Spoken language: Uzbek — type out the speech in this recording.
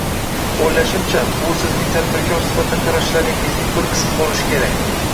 Oʻylashimcha, bu sizning tadbirkor sifatida qarashlaringizning bir qismi boʻlishi kerak.